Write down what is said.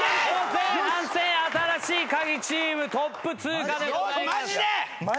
前半戦新しいカギチームトップ通過でございます。